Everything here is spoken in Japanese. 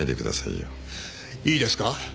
いいですか？